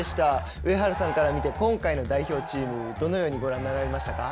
上原さんから見て今回の代表チームどのようにご覧になられましたか。